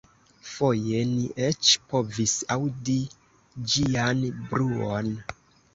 Foje ni eĉ povis aŭdi ĝian bruon.